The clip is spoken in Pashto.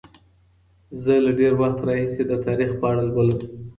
زه له ډیر وخت راهیسې د تاریخ په اړه لولم.